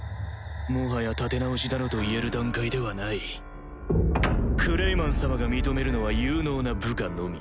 もはや立て直しだのと言える段階ではないクレイマン様が認めるのは有能な部下のみ